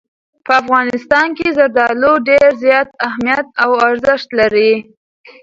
په افغانستان کې زردالو ډېر زیات اهمیت او ارزښت لري.